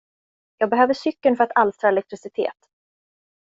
Jag behöver cykeln för att alstra elektricitet.